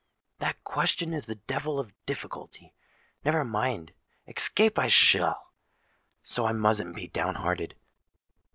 That question is the devil of the difficulty. Never mind—escape I will;—so I mustn't be down hearted!"